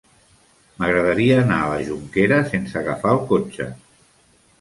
M'agradaria anar a la Jonquera sense agafar el cotxe.